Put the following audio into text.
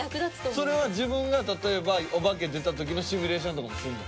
それは例えばお化け出たときのシミュレーションとかもすんの？